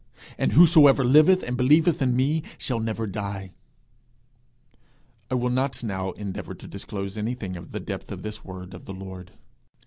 And whosoever liveth, and believeth in me, shall never die.' I will not now endeavour to disclose anything of the depth of this word of the Lord.